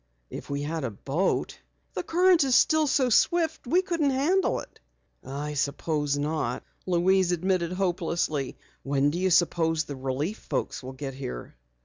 "If we had a boat " "The current is still so swift we couldn't handle it." "I suppose not," Louise admitted hopelessly. "When do you suppose the Relief folks will get here?"